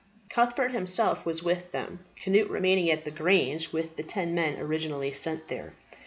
Cuthbert himself was with them, Cnut remaining at the grange with the ten men originally sent there.